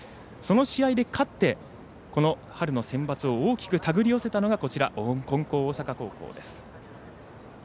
その試合で勝ってこの春のセンバツを大きく手繰り寄せたのが金光大阪高校です。